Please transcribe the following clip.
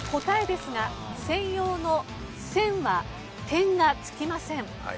答えですが専用の「専」は点がつきません。